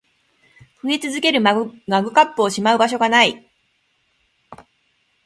増え続けるマグカップをしまう場所が無い